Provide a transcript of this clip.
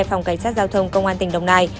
phòng cảnh sát giao thông công an tỉnh đồng nai